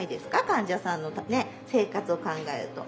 患者さんのね生活を考えると。